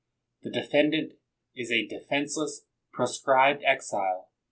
The defendant is a defenseless, proscribed exile.